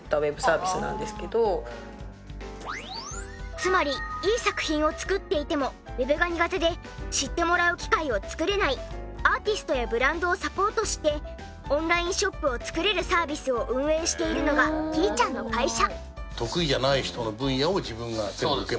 つまりいい作品を作っていてもＷＥＢが苦手で知ってもらう機会を作れないアーティストやブランドをサポートしてオンラインショップを作れるサービスを運営しているのがひーちゃんの会社。